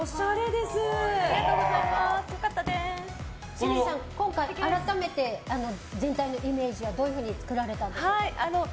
清水さん、今回改めて全体のイメージはどういうふうに作られたんですか？